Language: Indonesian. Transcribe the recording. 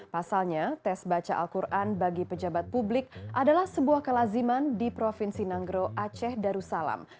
pasalnya tes baca al quran bagi pejabat publik adalah sebuah kelaziman di provinsi nagro aceh darussalam